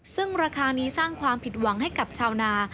ซึ่งราคานี้สร้างความผิดหวังให้กับชาวนา